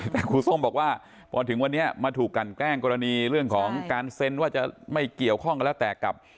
แต่ครูส้มบอกว่าพอถึงวันนี้มาถูกกันแกล้งกรณีเรื่องของการเซ็นว่าจะไม่เกี่ยวข้องกันแล้วแต่กับ